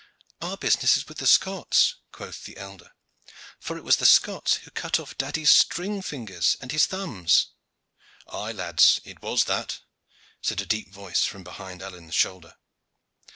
"Our business is with the Scots," quoth the elder; "for it was the Scots who cut off daddy's string fingers and his thumbs." "Aye, lads, it was that," said a deep voice from behind Alleyne's shoulder.